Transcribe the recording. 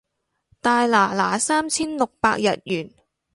大拿拿三千六百日圓